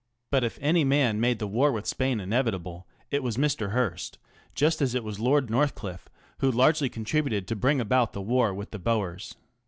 Put if any man made the war with Spain inevitable it was Mr. Hearst, just as it was Lord NorthclifTe who largely contributed to bring about the war with the Poers.